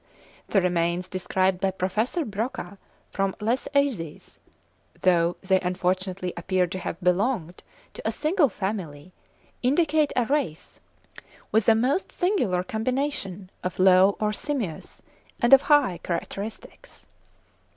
The remains described by Professor Broca from Les Eyzies, though they unfortunately appear to have belonged to a single family, indicate a race with a most singular combination of low or simious, and of high characteristics.